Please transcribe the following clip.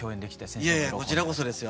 いえいえこちらこそですよ。